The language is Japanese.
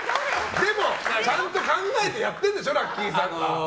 でも、ちゃんと考えてやってるんでしょ、ラッキィさん。